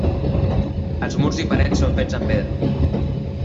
Els murs i parets són fets amb pedra.